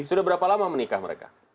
sudah berapa lama menikah mereka